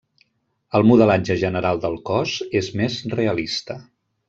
El modelatge general del cos és més realista.